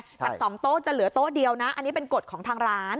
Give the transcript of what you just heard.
จาก๒โต๊ะจะเหลือโต๊ะเดียวนะอันนี้เป็นกฎของทางร้าน